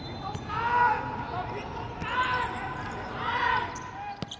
สวัสดีครับทุกคน